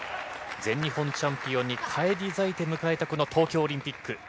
全日本チャンピオンに返り咲いて迎えたこの東京オリンピック。